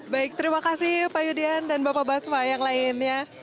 baik terima kasih pak yudian dan bapak basma yang lainnya